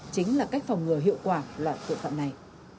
chính là cách phòng ngừa hiệu quả loại tội phạm này